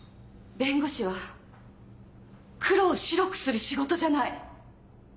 弁護士は黒を白くする仕事じゃない。